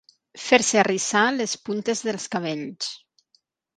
Fer-se arrissar les puntes dels cabells.